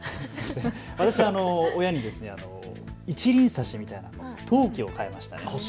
私は親に一輪挿しみたいな陶器を買いました。